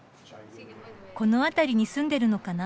この辺りに住んでるのかな。